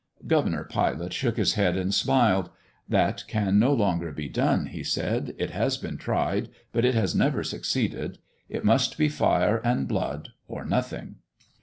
Governor Pilate shook his head and smiled. "That can no longer be done," he said. "It has been tried, but it has never succeeded. It must be fire and blood or nothing.